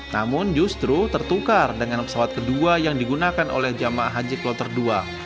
namun justru tertukar dengan pesawat kedua yang digunakan oleh jemaah haji kloter dua